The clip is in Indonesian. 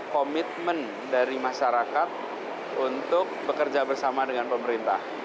komitmen dari masyarakat untuk bekerja bersama dengan pemerintah